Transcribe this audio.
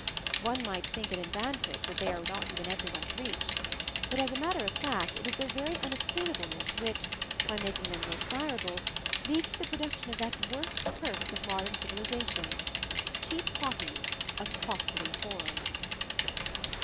One might think it an advantage that they are not within every one's reach; but, as a matter of fact, it is their very unattainableness which, by making them more desirable, leads to the production of that worst curse of modern civilization cheap copies of costly horrors.